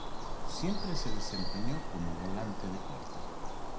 Siempre se desempeñó como volante de corte.